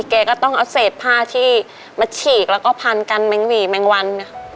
แกก็ต้องเอาเศษผ้าที่มาฉีกแล้วก็พันกันแมงหวี่แมงวัน